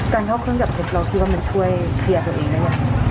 การเข้าเครื่องจับเท็จเราคิดว่ามันช่วยเคลียร์ตัวเองได้ยังไง